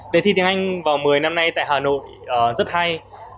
đề thi tiếng anh vào một mươi năm nay tại hà nội rất hay